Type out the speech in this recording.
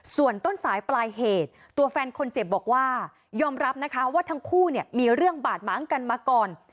ส่วนต้นสายปลายเหตุตัวแฟนคนเจ็บบอกว่ายอมรับนะคะว่าทั้งคู่เนี่ยมีเรื่องบาดม้างกันมาก่อน